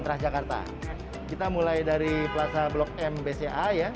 transjakarta kita mulai dari plaza blok m bca ya